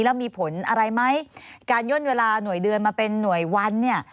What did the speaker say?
แล้วมีผลอะไรไหมการย่นเวลาหน่วยเดือนมาเป็นหน่วยวันเนี่ย